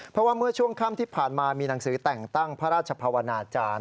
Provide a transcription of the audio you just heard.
เพราะว่าเมื่อช่วงค่ำที่ผ่านมามีหนังสือแต่งตั้งพระราชภาวนาจารย์